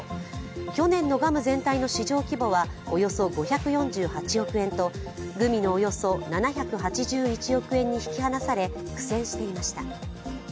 去年のガム全体の市場規模はおよそ５４８億円とグミのおよそ７８１億円に引き離され苦戦していました。